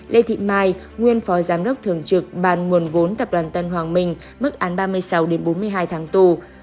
lê thị mai nguyên phó giám đốc thường trực ban nguồn vốn tập đoàn tân hoàng minh mức án ba mươi sáu bốn mươi hai tháng tù